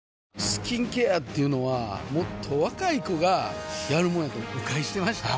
スキンケアっていうのはもっと若い子がやるもんやと誤解してました